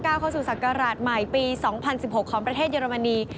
เข้าสู่ศักราชใหม่ปี๒๐๑๖ของประเทศเยอรมนี